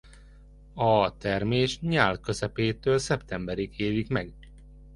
A termés nyál közepétől szeptemberig érik meg.